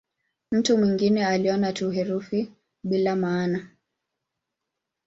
Mtu mwingine aliona tu herufi bila maana.